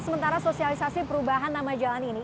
sementara sosialisasi perubahan nama jalan ini